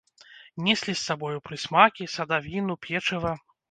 Неслі з сабою прысмакі, садавіну, печыва.